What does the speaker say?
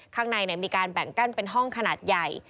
ข้างในมีการแบ่งกั้นเป็นห้องขนาดใหญ่